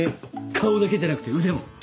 「顔だけじゃなくて腕も」。